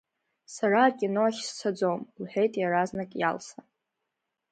Сара акино ахь сцаӡом, — лҳәеит иаразнак Иалса.